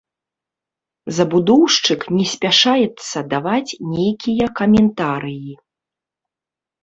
Забудоўшчык не спяшаецца даваць нейкія каментарыі.